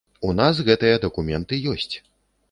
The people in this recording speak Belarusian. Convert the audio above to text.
У нас гэтыя дакументы ёсць.